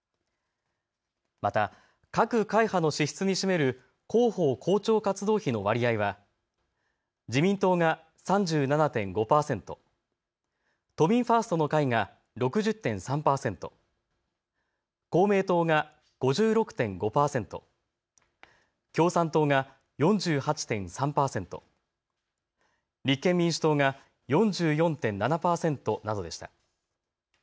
また各会派の支出に占める広報・広聴活動費の割合は自民党が３７．５％、都民ファーストの会が６０．３％、公明党が５６．５％、共産党が４８．３％、立憲民主党が４４．７％などでした。